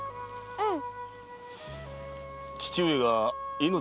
うん。